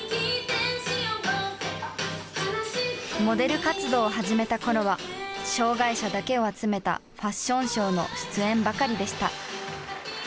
モデル活動を始めたころは障害者だけを集めたファッションショーの出演ばかりでした。